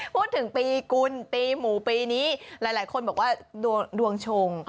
พูดถึงปีกุลปีหมูปีนี้หลายคนบอกว่าดวงชง